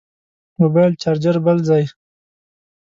موبایل چارچر بل ځای.